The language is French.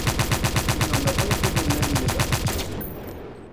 Il n'en a pas été de même des basques.